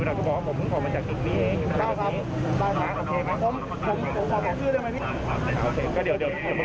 ได้ครับได้ครับโอเคครับผมขอบอกชื่อได้ไหมพี่